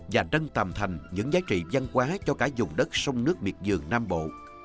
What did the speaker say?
trân tàm thành những giá trị văn hóa cho cả vùng đất sông nước miệt dường nam bộ